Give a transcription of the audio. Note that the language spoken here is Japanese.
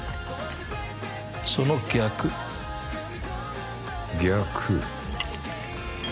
その逆逆？